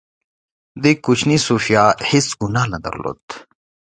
دې کوچنۍ سوفیا هېڅ ګناه نه درلوده